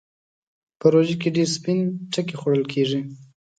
په روژه کې ډېر سپين ټکی خوړل کېږي.